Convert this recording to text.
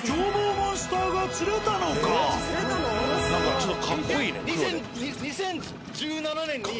ちょっとかっこいいね黒で。